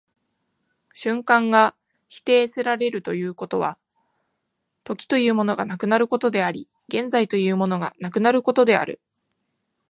瞬間が否定せられるということは、時というものがなくなることであり、現在というものがなくなることである。